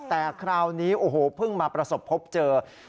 แต่คราวนี้โอ้โหเพิ่งมาประสบพบเจอ